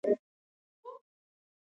ډيپلومات د کوربه هېواد قوانین مراعاتوي.